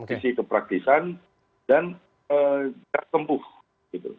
isi kepraktisan dan tempuh gitu